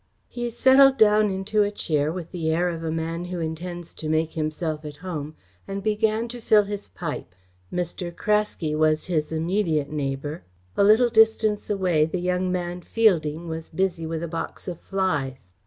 He settled down into a chair with the air of a man who intends to make himself at home, and began to fill his pipe. Mr. Craske was his immediate neighbour. A little distance away the young man Fielding was busy with a box of flies.